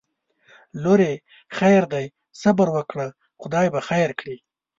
لورې خیر دی صبر وکړه خدای به خیر کړي